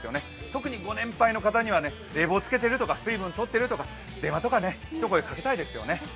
特にご年配の方には冷房つけてる？とか水分とってる？とか電話とかでひと声かけたいですよね。